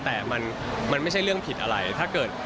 แต่มันไม่ใช่เรื่องผิดอะไร